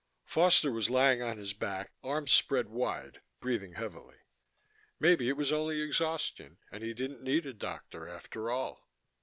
Foster was lying on his back, arms spread wide, breathing heavily. Maybe it was only exhaustion, and he didn't need a doctor after all.